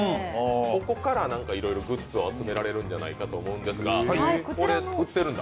ここからいろいろグッズを集められるんじゃないかと思うんですが、売ってるんだ。